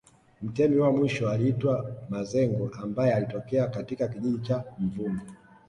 Mtemi wa mwisho aliitwa Mazengo ambaye alitokea katika kijiji cha Mvumi